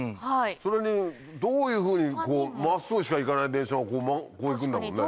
それにどういうふうに真っすぐしか行かない電車をこう行くんだもんね。